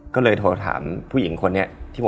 ก็เลยโทรธาม